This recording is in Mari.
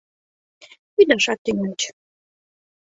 Ӱдашат тӱҥальыч.